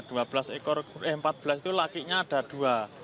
dua belas ekor eh empat belas itu lakinya ada dua